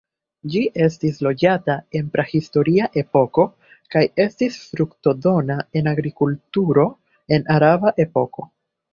Ĝi estis loĝata el prahistoria epoko kaj estis fruktodona en agrikulturo en araba epoko.